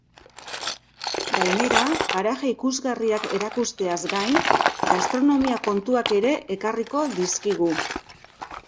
Gainera, paraje ikusgarriak erakusteaz gain, gastronomia kontuak ere ekarriko dizkigu.